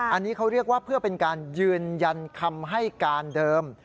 อันนี้เขาเรียกว่าเพื่อเป็นการยืนยันคำให้การเดิม